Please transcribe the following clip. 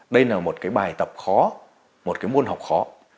đây là một cái bài tập khó một cái môn học khó